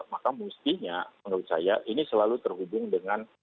maka mestinya menurut saya ini selalu terhubung dengan